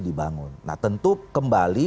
dibangun nah tentu kembali